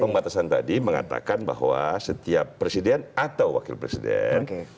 pembatasan tadi mengatakan bahwa setiap presiden atau wakil presiden